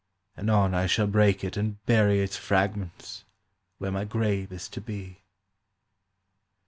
. Anon I shall break it and bury its fragments Where my grave is to be."